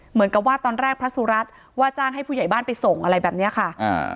เหมือนกับว่าตอนแรกพระสุรัตน์ว่าจ้างให้ผู้ใหญ่บ้านไปส่งอะไรแบบเนี้ยค่ะอ่า